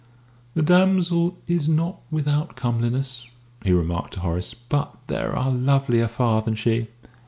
"The damsel is not without comeliness," he remarked to Horace; "but there are lovelier far than she."